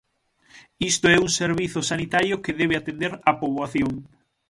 Isto é un servizo sanitario que debe atender a poboación.